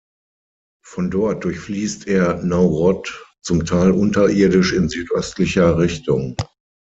Von dort durchfließt er Naurod zum Teil unterirdisch in südöstlicher Richtung.